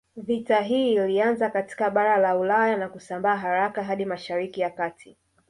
Vita hii ilianzia katika bara la Ulaya na kusambaa haraka hadi Mshariki ya kati